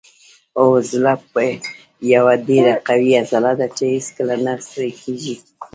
هو زړه یوه ډیره قوي عضله ده چې هیڅکله نه ستړې کیږي